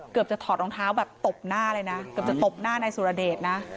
เกือบจะถอดรองเท้าแบบตบหน้าเลยนะเกือบจะตบหน้านายสุรเดชนะ